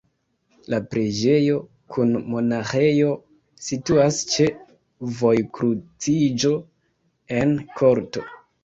La preĝejo kun monaĥejo situas ĉe vojkruciĝo en korto.